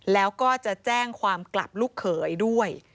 แล้วก็จะแจ้งความกลับลูกเขยด้วย